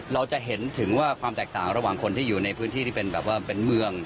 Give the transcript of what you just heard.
เราจะเห็นถึงว่าความแตกต่างระหว่างคนที่อยู่ในพื้นที่ที่เป็นแบบว่าเป็นเมือง